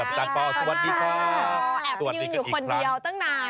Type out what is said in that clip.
แอบยืนอยู่คนเดียวตั้งนาน